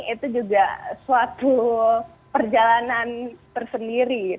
itu juga suatu perjalanan tersendiri